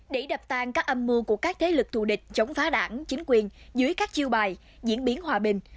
để đập tàn các âm mưu của các thế lực thù địch chống phá đảng chính quyền dưới các chiêu bài diễn biến hòa bình